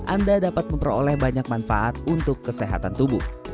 anda dapat memperoleh banyak manfaat untuk kesehatan tubuh